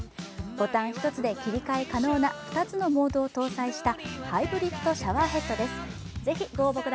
ボタン一つで切り替え可能な２つのモードを搭載したハイブリッドシャワーヘッドです。